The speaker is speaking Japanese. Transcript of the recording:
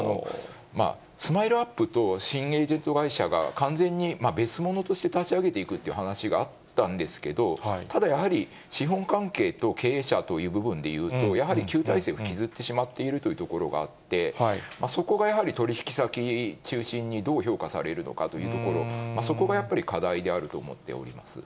スマイルアップと新エージェント会社が完全に別物として立ち上げていくっていう話があったんですけど、ただやはり、資本関係と経営者という部分でいうと、やはり旧体制を引きずってしまっているということがあって、そこがやはり、取り引き先中心にどう評価されるのかというところ、そこがやっぱり課題であると思っております。